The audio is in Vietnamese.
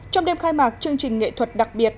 trong đêm khai mạc chương trình nghệ thuật đặc biệt